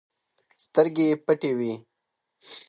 سترګې يې پټې وې.